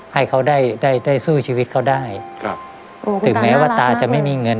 ให้เขาได้ได้สู้ชีวิตเขาได้ครับถึงแม้ว่าตาจะไม่มีเงิน